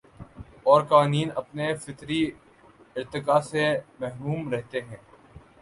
اور قوانین اپنے فطری ارتقا سے محروم رہتے ہیں